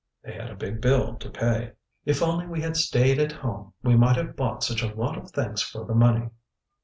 They had a big bill to pay. ŌĆ£If only we had stayed at home! We might have bought such a lot of things for the money.